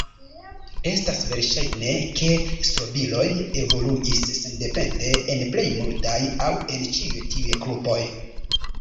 Estas verŝajne ke strobiloj evoluis sendepende en plej multaj aŭ en ĉiuj tiuj grupoj.